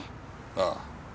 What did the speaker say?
ああ。